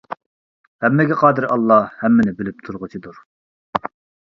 ھەممىگە قادىر ئاللا ھەممىنى بىلىپ تۇرغۇچىدۇر.